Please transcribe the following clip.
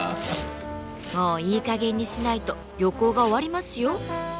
もういい加減にしないと旅行が終わりますよ。